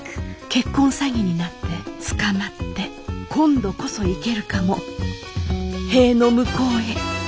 結婚詐欺になって捕まって今度こそ行けるかも。